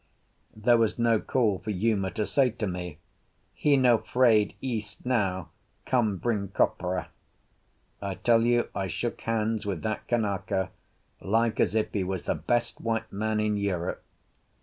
There was no call for Uma to say to me: "He no 'fraid Ese now, come bring copra." I tell you I shook hands with that Kanaka like as if he was the best white man in Europe.